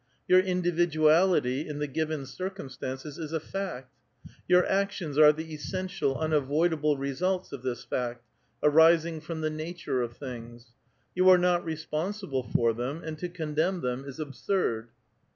Your individuality in the given circumstances is a fact ; your iietions are the essential, unavoidable results of this fact, arising from the nature of things. You are not responsible for them, and to condemn them is absurd."